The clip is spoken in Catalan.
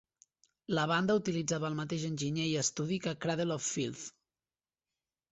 La banda utilitzava el mateix enginyer i estudi que Cradle of Filth.